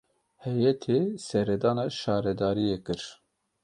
Heyetê seredana şaredariyê kir.